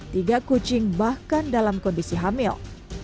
tiga kucing bahkan dalam kondisi hamil